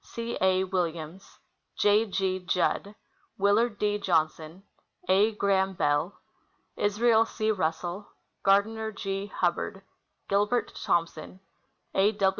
C. A. Williams. J. G. Judd. Willard D. Johnson. A. Graham Bell. Israel C. Russell. Gardiner G. Hubbard. Gilbert Thompson. A.